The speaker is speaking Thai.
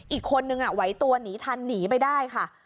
อีกคนนึงไหวตัวหนีทันหนีไปได้ค่ะ